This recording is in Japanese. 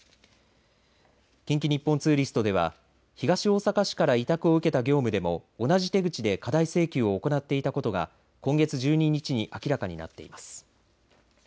近畿日本ツーリストでは東大阪市から委託を受けた業務でも同じ手口で過大請求を行っていたことが今月１２日に明らかになっています。